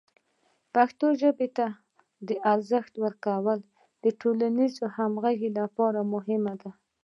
پښتو ژبې ته د ارزښت ورکول د ټولنیزې همغږۍ لپاره مهم دی.